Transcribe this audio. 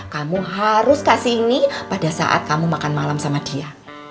kamu harus kasih ini pada saat kamu makan malam sama dia